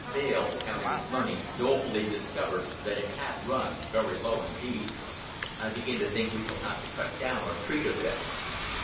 Dale counting his money, dolefully discovered that it had run very low indeed. "I begin to think we shall have to cut down our treat a bit."